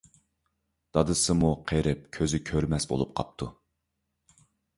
دادىسىمۇ قېرىپ كۆزى كۆرمەس بولۇپ قاپتۇ.